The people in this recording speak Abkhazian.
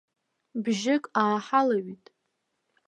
Бжьык ааҳалаҩит.